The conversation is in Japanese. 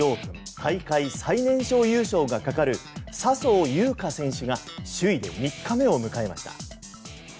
大会最年少優勝がかかる笹生優花選手が首位で３日目を迎えました。